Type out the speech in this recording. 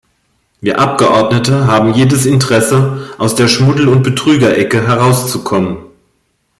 Wir Abgeordnete haben jedes Interesse, aus der Schmuddel- und Betrügerecke herauszukommen.